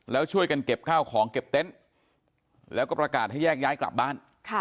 แล้วช่วยกันเก็บข้าวของเก็บเต็นต์แล้วก็ประกาศให้แยกย้ายกลับบ้าน